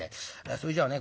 「それじゃね